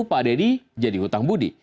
pak deddy jadi hutang budi